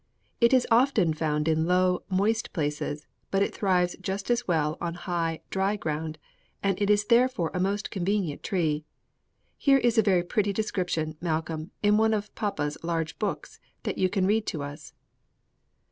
It is often found in low, moist places, but it thrives just as well in high, dry ground; and it is therefore a most convenient tree. Here is a very pretty description, Malcolm, in one of papa's large books, that you can read to us."